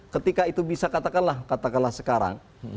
ketika itu bisa katakanlah katakanlah sekarang